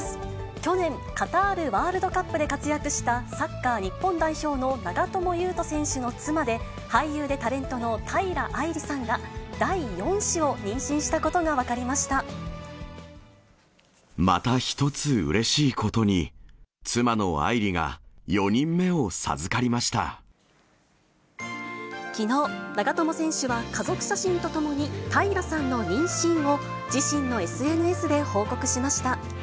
去年、カタールワールドカップで活躍したサッカー日本代表の長友佑都選手の妻で、俳優でタレントの平愛梨さんが、第４子を妊娠したことが分かりままた一つうれしいことに、きのう、長友選手は家族写真とともに、平さんの妊娠を、自身のＳＮＳで報告しました。